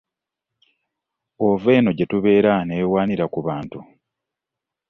Ova eno gye tubeera ne weewaanira ku bantu.